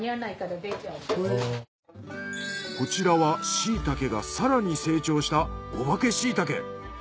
こちらはシイタケが更に成長したお化けシイタケ！